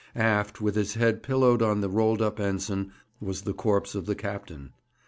Aft, with his head pillowed on the rolled up ensign, was the corpse of the captain.